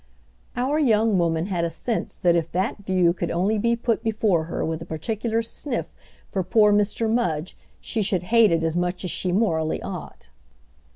Our young woman had a sense that if that view could only be put before her with a particular sniff for poor Mr. Mudge she should hate it as much as she morally ought.